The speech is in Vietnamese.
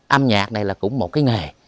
âm nhạc này là cũng một cái nghề